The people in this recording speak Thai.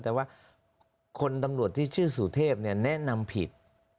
แต่ว่าคนตำรวจที่ชื่อสุเทพแนะนำผิด